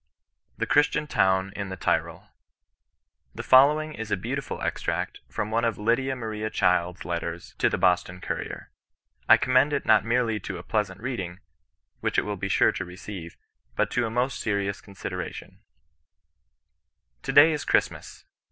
THE CHRISTIAN TOWN IN THE TYROL. The following is a beautiful extract from one of Lydia Maria CJhild's Letters to the Boston Courier. I commend it not merely to a pleasant reading, which it will be sure to receive, but to a most serious co'iisideration :" To day is Christmas.